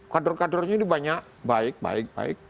kadur kadurnya ini banyak baik baik baik